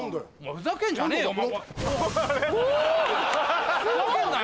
ふざけんじゃねえよお前！